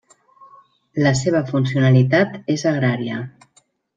La seva funcionalitat és agrària.